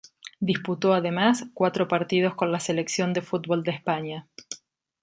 Disputó además cuatro partidos con la selección de fútbol de España.